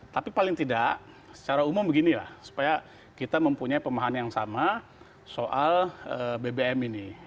tapi paling tidak secara umum beginilah supaya kita mempunyai pemahaman yang sama soal bbm ini